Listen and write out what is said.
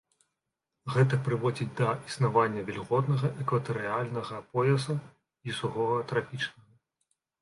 Гэта прыводзіць да існавання вільготнага экватарыяльнага пояса і сухога трапічнага.